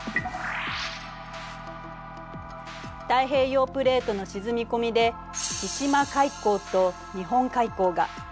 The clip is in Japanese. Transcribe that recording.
太平洋プレートの沈み込みで「千島海溝」と「日本海溝」が。